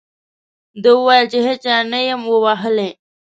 ده وویل چې هېچا نه یم ووهلی.